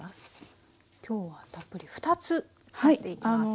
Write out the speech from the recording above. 今日はたっぷり２つ使っていきます。